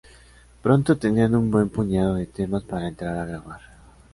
Pronto tenían un buen puñado de temas para entrar a grabar.